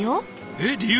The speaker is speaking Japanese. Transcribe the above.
えっ理由？